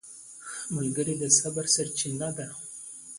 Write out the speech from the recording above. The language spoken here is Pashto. ملګری د صبر سرچینه ده